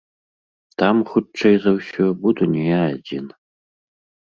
Там, хутчэй за ўсё, буду не я адзін.